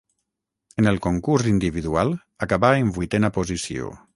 En el concurs individual acabà en vuitena posició.